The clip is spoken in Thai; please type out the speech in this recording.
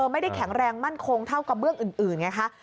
ไม่ได้แข็งแรงมั่นคงเท่ากระเบื้องอื่นไงคะ